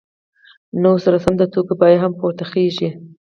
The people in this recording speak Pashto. نو ورسره سم د توکو بیه هم پورته خیژي